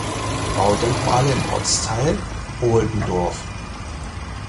Baudenkmale im Ortsteil Oldendorf.